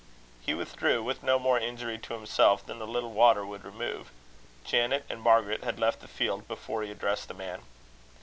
He withdrew, with no more injury to himself than a little water would remove. Janet and Margaret had left the field before he addressed the man.